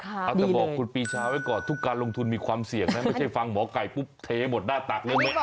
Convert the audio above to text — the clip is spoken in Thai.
เอาแต่บอกคุณปีชาไว้ก่อนทุกการลงทุนมีความเสี่ยงนะไม่ใช่ฟังหมอไก่ปุ๊บเทหมดหน้าตักเรื่องนี้